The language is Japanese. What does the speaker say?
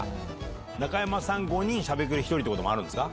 中山さん５人『しゃべくり』１人ってことある？